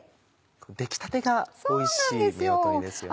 出来たてがおいしい夫婦煮ですよね。